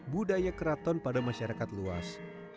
budaya keraton pada masyarakat luas